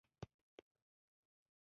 کچالو د کلیو زېری دی